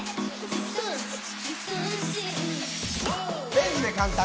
レンジで簡単。